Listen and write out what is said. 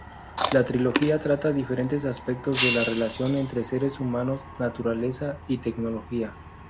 La trilogía trata diferentes aspectos de la relación entre seres humanos, naturaleza y tecnología.